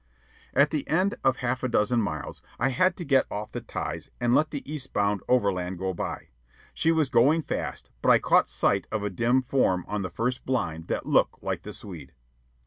At the end of half a dozen miles, I had to get off the ties and let the east bound overland go by. She was going fast, but I caught sight of a dim form on the first "blind" that looked like the Swede.